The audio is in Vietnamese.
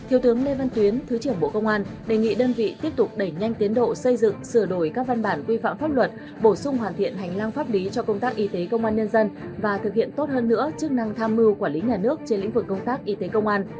thiếu tướng lê văn tuyến thứ trưởng bộ công an đề nghị đơn vị tiếp tục đẩy nhanh tiến độ xây dựng sửa đổi các văn bản quy phạm pháp luật bổ sung hoàn thiện hành lang pháp lý cho công tác y tế công an nhân dân và thực hiện tốt hơn nữa chức năng tham mưu quản lý nhà nước trên lĩnh vực công tác y tế công an